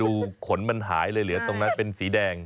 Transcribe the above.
ขนมันหายเลยเหลือตรงนั้นเป็นสีแดง